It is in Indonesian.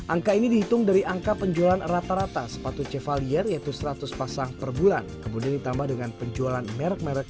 angka ini dihitung dari angka penjualan rata rata sepatu cevalier yaitu seratus pasang per bulan kemudian ditambah dengan penjualan merek merek